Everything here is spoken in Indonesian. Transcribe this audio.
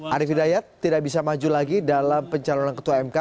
arief hidayat tidak bisa maju lagi dalam pencalonan ketua mk